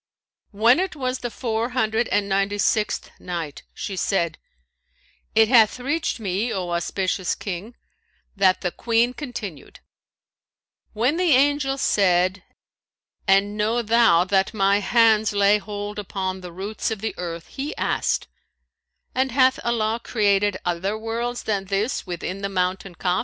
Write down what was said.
When it was the Four Hundred and Ninety sixth Night, She said, It hath reached me, O auspicious King, that the Queen continued: "When the angel said, 'And know thou that my hands lay hold upon the roots of the earth,' he asked, 'And hath Allah created other worlds than this within the mountain Kaf?'